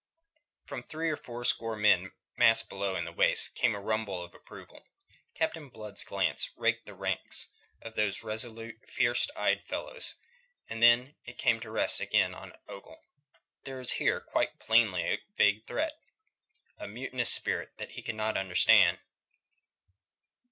From the three or four score men massed below in the waist came a rumble of approval. Captain Blood's glance raked the ranks of those resolute, fierce eyed fellows, then it came to rest again on Ogle. There was here quite plainly a vague threat, a mutinous spirit he could not understand.